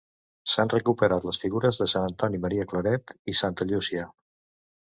S'han recuperat les figures de sant Antoni Maria Claret i santa Llúcia.